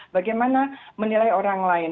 bagaimana menilai orang lain